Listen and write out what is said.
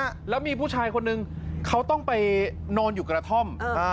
น้ำนี้ผู้ชายคนนึงเขาต้องไปนอนอยู่กระถ่อม